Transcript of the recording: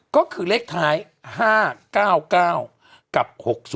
ก็คือเลขท้าย๕๙๙กับ๖๒